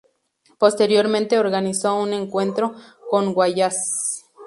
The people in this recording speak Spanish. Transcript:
Posteriormente organizó un encuentro con Wallace.